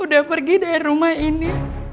udah pergi dari rumah ini